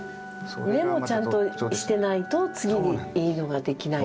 根もちゃんとしてないと次にいいのができないっていう。